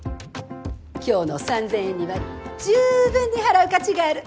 今日の３，０００円にはじゅうぶんに払う価値がある。